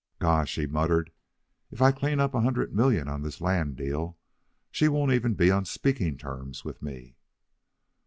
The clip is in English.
"Gosh!" he muttered. "If I clean up a hundred million on this land deal she won't even be on speaking terms with me."